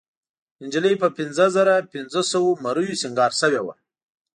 نجلۍ په پينځهزرهپینځهسوو مریو سینګار شوې وه.